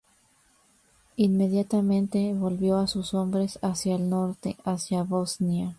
Inmediatamente, volvió a sus hombres hacia el norte, hacia Bosnia.